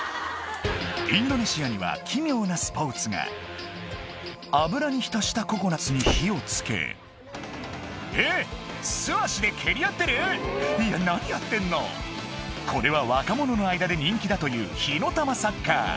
インドネシアには奇妙なスポーツが油に浸したココナツに火を付けえっ素足で蹴り合ってる⁉な何やってんのこれは若者の間で人気だという火の玉サッカー